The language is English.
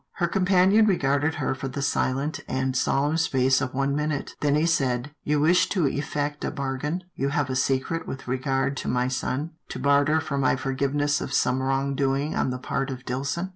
Her companion regarded her for the silent and solemn space of one minute, then he said, " You wish to effect a bargain — you have a secret with regard to my son, to barter for my forgiveness of some wrong doing on the part of Dillson."